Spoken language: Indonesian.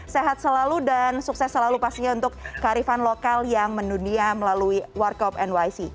sehat selalu dan sukses selalu pastinya untuk kearifan lokal yang mendunia melalui warkop nyc